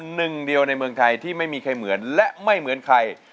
หนึ่งเดียวในเมืองไทยที่ไม่มีใครเหมือนและไม่เหมือนใคร